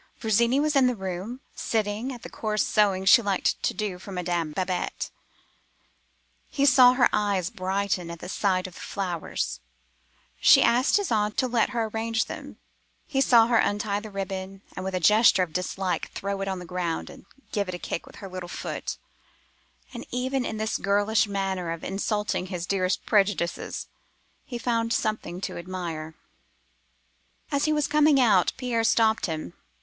Virginie was in the room, sitting at the coarse sewing she liked to do for Madame Babette. He saw her eyes brighten at the sight of the flowers: she asked his aunt to let her arrange them; he saw her untie the ribbon, and with a gesture of dislike, throw it on the ground, and give it a kick with her little foot, and even in this girlish manner of insulting his dearest prejudices, he found something to admire. "As he was coming out, Pierre stopped him.